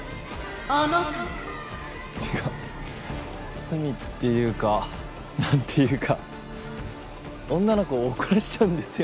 っていうか罪っていうかなんていうか女の子を怒らせちゃうんですよね。